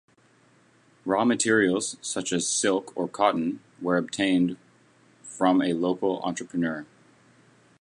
Raw materials, such as silk or cotton, where obtained from a local entrepreneur.